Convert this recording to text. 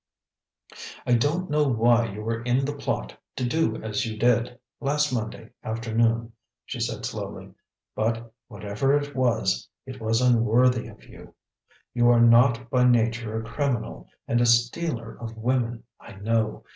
"I don't know why you were in the plot to do as you did last Monday afternoon," she said slowly; "but whatever it was, it was unworthy of you. You are not by nature a criminal and a stealer of women, I know.